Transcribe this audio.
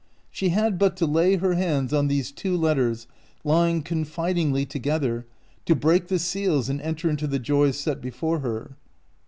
She had but to lay her hands on these two letters, lying confidingly together, to break the seals and enter into the joys set before her.